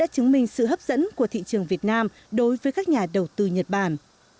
chứng minh sự hấp dẫn của thị trường việt nam đối với các nhà đầu tư nhật bản